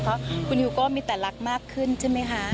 เพราะคุณยูก็มีแต่รักมากขึ้นใช่ไหมคะ